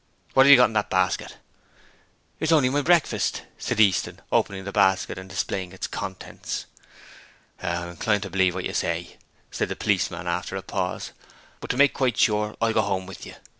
What have you got in that basket?' 'Only my breakfast,' Easton said, opening the basket and displaying its contents. 'I'm inclined to believe what you say,' said the policeman, after a pause. 'But to make quite sure I'll go home with you.